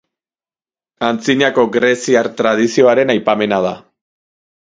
Antzinako greziar tradizioaren aipamena da.